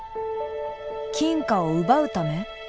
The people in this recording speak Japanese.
金貨を奪うため？